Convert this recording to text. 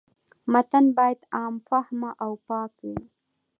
متن باید عام فهمه او پاک وي.